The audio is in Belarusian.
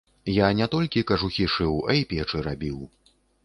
Я не толькі кажухі шыў, а і печы рабіў.